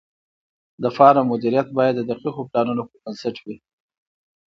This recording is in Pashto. د فارم مدیریت باید د دقیقو پلانونو پر بنسټ وي.